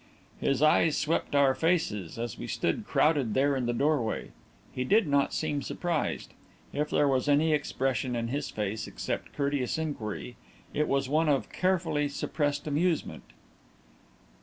His eyes swept our faces, as we stood crowded there in the doorway. He did not seem surprised. If there was any expression in his face except courteous inquiry, it was one of carefully suppressed amusement.